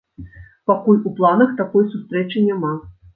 Пакуль у планах такой сустрэчы няма.